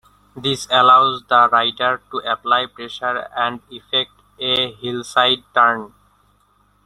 This allows the rider to apply pressure and effect a "heelside" turn.